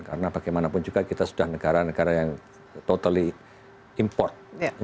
karena bagaimanapun juga kita sudah negara negara yang totally import